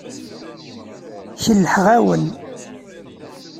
Kellḥeɣ-awen.